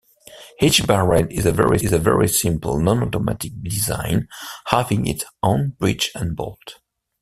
Each barrel is a very simple non-automatic design having its own breech and bolt.